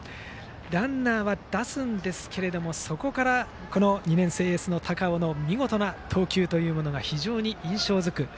ランナーは出すんですけどもそこから２年生エース、高尾の見事な投球が非常に印象づく